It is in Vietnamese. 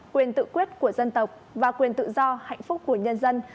quyền tự quyết của dân tộc và quyền tự do hạnh phúc của nhân dân